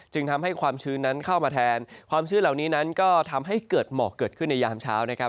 จึงทำให้ความชื้นนั้นเข้ามาแทนความชื้นเหล่านี้นั้นก็ทำให้เกิดหมอกเกิดขึ้นในยามเช้านะครับ